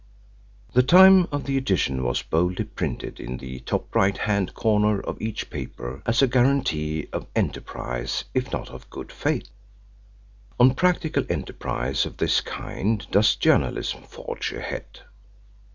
The time of the edition was boldly printed in the top right hand corner of each paper as a guarantee of enterprise if not of good faith. On practical enterprise of this kind does journalism forge ahead.